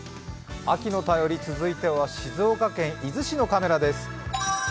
秋の便り続いては静岡県伊豆市のカメラです。